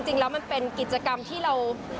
จริงแล้วมันเป็นกิจกรรมที่เรา